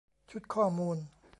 ชุดข้อมูล